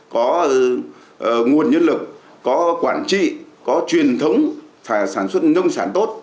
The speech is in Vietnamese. có nguồn nhân lực có quản trị có truyền thống phải sản xuất nông sản tốt